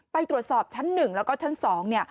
ไปตรวจสอบชั้น๑แล้วก็ชั้น๒